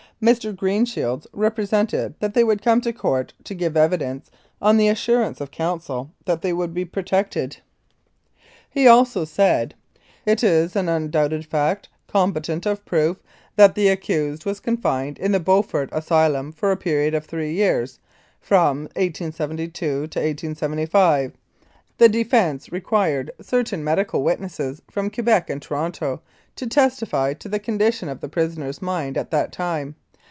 Mr. Greenshields represented that they would come to court to give evidence on the assurance of counsel that they would be protected. 196 Louis Kiel: Executed for Treason He also said :" It is an undoubted fact, competent of proof, that the accused was confined in the Beaufort Asylum for a period of three years, from 1872 to 1875." The defence required certain medical witnesses from Quebec and Toronto to testify to the condition of the prisoner's mind at that time.